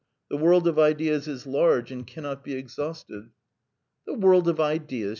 The world of ideas is large and cannot be exhausted." "The world of ideas!"